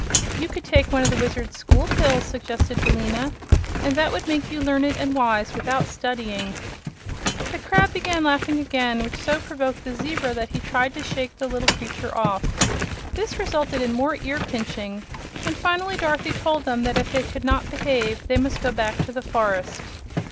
"You could take one of the Wizard's School Pills," suggested Billina, "and that would make you learned and wise without studying." The crab began laughing again, which so provoked the zebra that he tried to shake the little creature off. This resulted in more ear pinching, and finally Dorothy told them that if they could not behave they must go back to the forest.